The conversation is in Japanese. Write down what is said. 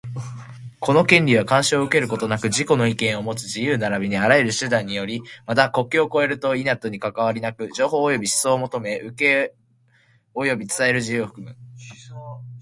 この権利は、干渉を受けることなく自己の意見をもつ自由並びにあらゆる手段により、また、国境を越えると否とにかかわりなく、情報及び思想を求め、受け、及び伝える自由を含む。